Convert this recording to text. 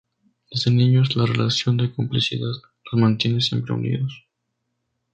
Desde niños, la relación de complicidad los mantiene siempre unidos.